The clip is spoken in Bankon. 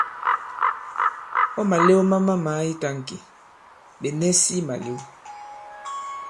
Ɔ̂ màlew ma mamàa i tāŋki, ɓè nɛsi malew.